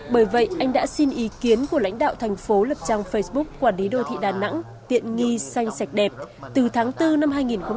bởi vậy anh đã xin ý kiến của lãnh đạo thành phố lập trang facebook quản lý đô thị đà nẵng tiện nghi xanh sạch đẹp từ tháng bốn năm hai nghìn một mươi chín